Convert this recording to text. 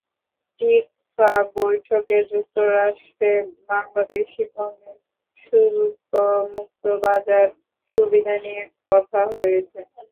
TICFA বৈঠকে যুক্তরাষ্ট্রে বাংলাদেশি পণ্যের শুল্কমুক্ত বাজার সুবিধা নিয়ে কথা হয়েছে।